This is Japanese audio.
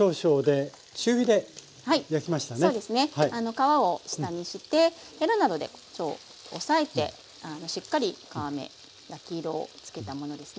皮を下にしてヘラなどで押さえてしっかり皮目焼き色をつけたものですね。